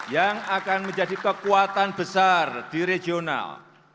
yang akan menjadi kekuatan besar di regional